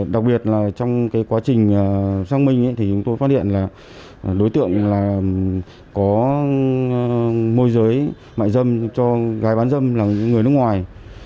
đặc biệt là trong quá trình xác minh thì chúng tôi phát hiện là đối tượng là có môi giới mại dâm cho gái bán dâm là người nước ngoài